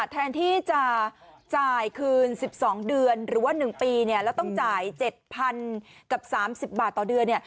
แทนที่จะจ่ายคืน๑๒เดือนหรือว่า๑ปีแล้วต้องจ่าย๗๐๐กับ๓๐บาทต่อเดือน